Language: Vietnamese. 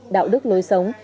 đạo đức lối sống